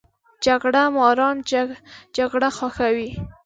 جګړه ماران جګړه خوښوي